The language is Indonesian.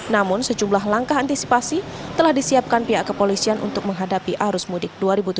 namun sejumlah langkah antisipasi telah disiapkan pihak kepolisian untuk menghadapi arus mudik dua ribu tujuh belas